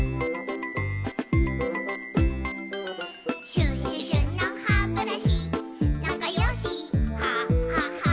「シュシュシュのハブラシなかよしハハハ」